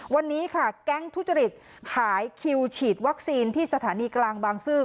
วันนี้ค่ะแก๊งทุจริตขายคิวฉีดวัคซีนที่สถานีกลางบางซื่อ